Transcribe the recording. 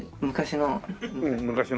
昔の？